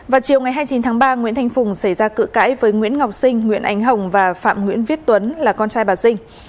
vào chiều ngày hai mươi chín tháng ba nguyễn thanh phùng xảy ra cự cãi với nguyễn ngọc sinh nguyễn ánh hồng và phạm nguyễn viết tuấn là con trai bà sinh